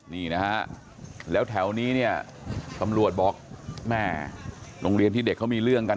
นี่นะฮะแล้วแถวนี้เนี่ยตำรวจบอกแม่โรงเรียนที่เด็กเขามีเรื่องกัน